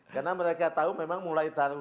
karena mereka tahu memang mulai taruh